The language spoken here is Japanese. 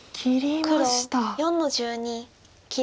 黒４の十二切り。